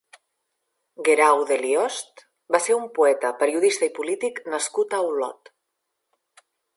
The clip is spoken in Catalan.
Guerau de Liost va ser un poeta, periodista i polític nascut a Olot.